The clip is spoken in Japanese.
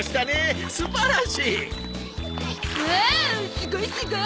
すごいすごい！